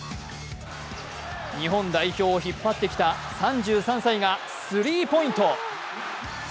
日本代表を引っ張ってきた３３歳がスリーポイント。